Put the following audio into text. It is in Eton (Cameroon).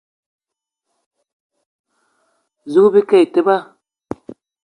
Zouga bike e teba.